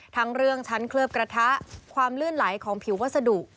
ทั้งเรื่องชั้นเคลือบกระทะความลื่นไหลของผิววัสดุ